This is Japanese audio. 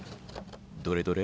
どれどれ？